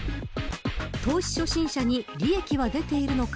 投資初心者に利益は出ているのか